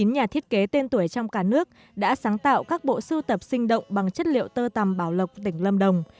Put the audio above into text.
chín nhà thiết kế tên tuổi trong cả nước đã sáng tạo các bộ sưu tập sinh động bằng chất liệu tơ tầm bảo lộc tỉnh lâm đồng